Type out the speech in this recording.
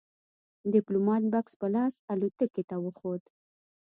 ديپلومات بکس په لاس الوتکې ته وخوت.